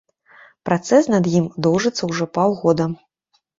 Працэс над ім доўжыцца ўжо паўгода.